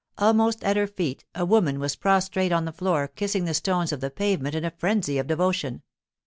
Almost at her feet a woman was prostrate on the floor, kissing the stones of the pavement in a frenzy of devotion.